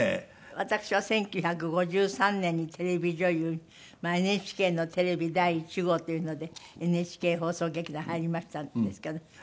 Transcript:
私は１９５３年にテレビ女優にＮＨＫのテレビ第１号というのでＮＨＫ放送劇団入りましたんですけど。